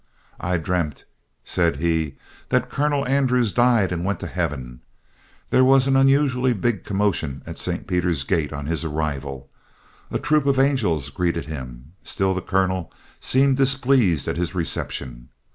'I dreamt,' said he, 'that Colonel Andrews died and went to heaven. There was an unusually big commotion at St. Peter's gate on his arrival. A troop of angels greeted him, still the Colonel seemed displeased at his reception.